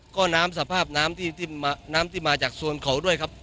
ก็น้ำสภาพน้ำที่น้ำที่มาจากโซนเขาด้วยครับ